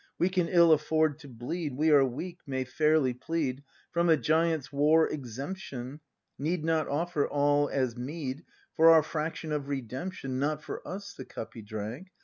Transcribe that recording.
We can ill afford to bleed, — We are weak, may fairly plead From a giants' war exemption. Need not offer All as meed For our fraction of Redemption Not for us the cup He drank.